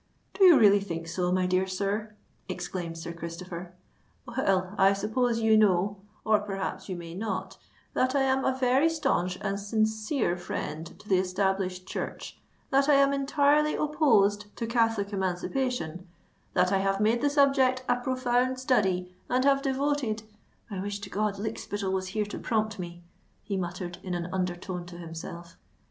"Do you really think so, my dear sir?" exclaimed Sir Christopher. "Well, I suppose you know—or perhaps you may not—that I am a very stanch and sincere friend to the Established Church—that I am entirely opposed to Catholic Emancipation—that I have made the subject a profound study, and have devoted——I wish to God Lykspittal was here to prompt me," he muttered in an under tone to himself.